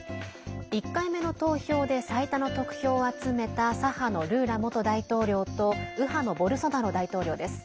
１回目の投票で最多の得票を集めた左派のルーラ元大統領と右派のボルソナロ大統領です。